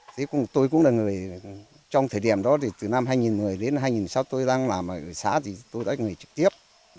thế tôi cũng là người trong thời điểm đó thì từ năm hai nghìn đến hai nghìn sau tôi đang làm ở xã thì tôi là người trực tiếp